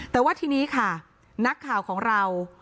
แต่ว่าทีนี้ค่ะนักข่าวของเรา